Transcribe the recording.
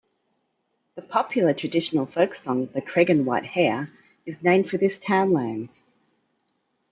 The popular traditional folk song, The "Creggan White Hare", is named for this townland.